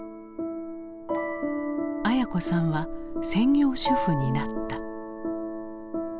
文子さんは専業主婦になった。